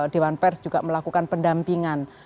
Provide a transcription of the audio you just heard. dewan pers juga melakukan pendampingan